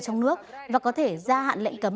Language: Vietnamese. trong nước và có thể gia hạn lệnh cấm